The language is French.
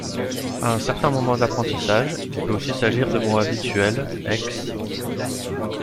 À un certain moment de l’apprentissage, il peut aussi s’agir de mots habituels, ex.